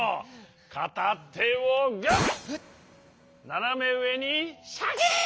ななめうえにシャキーン！